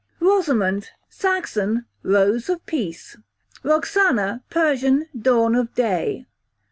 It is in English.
Rosamond, Saxon, rose of peace. Roxana, Persian, dawn of day.